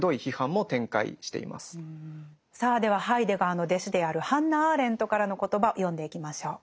さあではハイデガーの弟子であるハンナ・アーレントからの言葉読んでいきましょう。